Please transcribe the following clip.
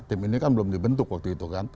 tim ini kan belum dibentuk waktu itu kan